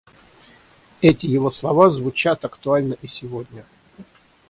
Эти его слова звучат актуально и сегодня.